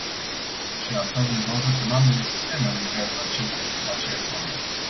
Și asta din cauză că în ambele sisteme lucrează aceIași oameni.